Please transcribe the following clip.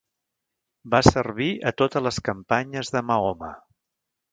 Va servir a totes les campanyes de Mahoma.